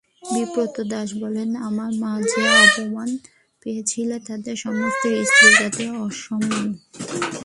বিপ্রদাস বললে, আমার মা যে অপমান পেয়েছিলেন তাতে সমস্ত স্ত্রীজাতির অসম্মান।